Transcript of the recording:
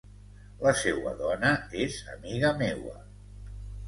La seua dona és amiga meua.